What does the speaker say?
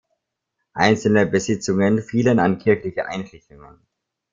Einzelne Besitzungen fielen an kirchliche Einrichtungen.